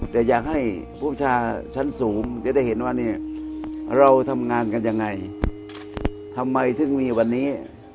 แต่อยากให้ผู้ประชาชั้นสูงจะได้เห็นว่าเนี่ยเราทำงานกันยังไงทำไมถึงมีวันนี้